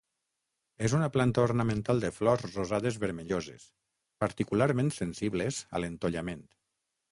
És una planta ornamental de flors rosades vermelloses, particularment sensibles a l'entollament.